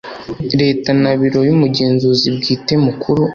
Leta na Biro y Umugenzuzi Bwite Mukuru